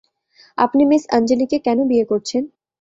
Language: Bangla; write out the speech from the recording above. আপনি মিস আঞ্জলিকে কেন বিয়ে করছেন?